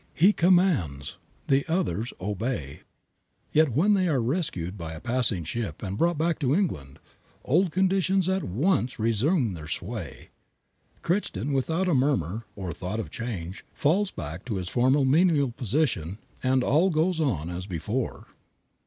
He commands, the others obey. Yet when they are rescued by a passing ship and brought back to England, old conditions at once resume their sway. Crichton, without a murmur, or thought of change, falls back to his former menial position, and all goes on as before.